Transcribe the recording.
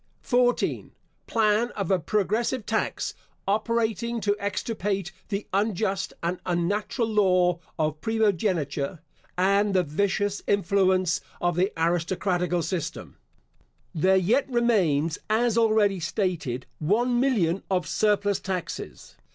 14. Plan of a progressive tax, operating to extirpate the unjust and unnatural law of primogeniture, and the vicious influence of the aristocratical system.* There yet remains, as already stated, one million of surplus taxes.